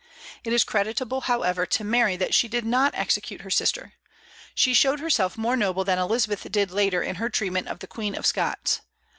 It is creditable, however, to Mary that she did not execute her sister. She showed herself more noble than Elizabeth did later in her treatment of the Queen of Scots.